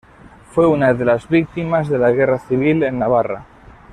Fue una de las Víctimas de la Guerra Civil en Navarra.